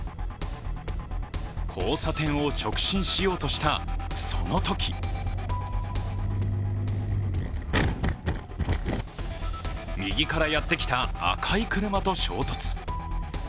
交差点を直進しようとした、そのとき右からやってきた赤い車と衝突。